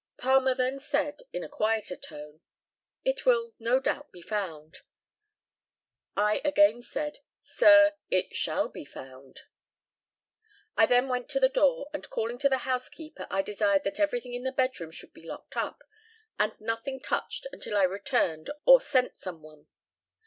Palmer then said, in a quieter tone, "It will no doubt be found." I again said, "Sir, it shall be found." I then went to the door, and calling to the housekeeper, I desired that everything in the bedroom should be locked up, and nothing touched until I returned or sent some one.